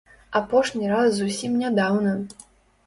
Апошні раз зусім нядаўна.